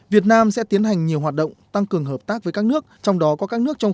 việt nam sẽ tiến hành nhiều hoạt động tăng cường hợp tác với các nước trong đó có các nước trong